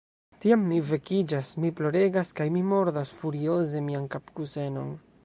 Tiam, mi vekiĝas, mi ploregas, kaj mi mordas furioze mian kapkusenon.